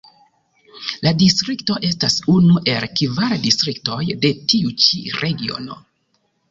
La distrikto estas unu el kvar distriktoj de tiu ĉi Regiono.